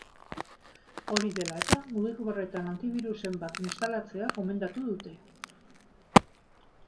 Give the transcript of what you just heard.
Hori dela eta, mugikorretan antibirusen bat instalatzea gomendatu dute.